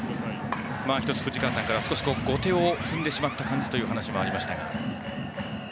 １つ、藤川さんから後手を踏んでしまった感じという話もありましたが。